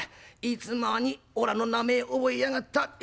いつの間におらの名前覚えやがった？